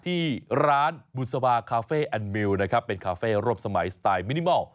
ที่ร้านบุษบาคาเฟ่แอนดมิลนะครับเป็นคาเฟ่รวบสมัยสไตล์มินิมอล